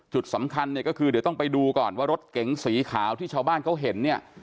จุดสำคัญเนี่ยก็คือเดี๋ยวต้องไปดูก่อนว่ารถเก๋งสีขาวที่ชาวบ้านเขาเห็นเนี่ย